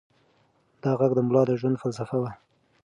دا غږ د ملا د ژوند فلسفه وه.